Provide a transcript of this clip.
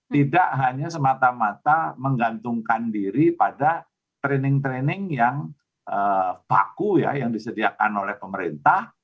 tidak hanya semata mata menggantungkan diri pada training training yang baku ya yang disediakan oleh pemerintah